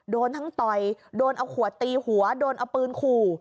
โดนทั้งต่อยโดนเอาขวดตีหัวโดนเอาปืนขู่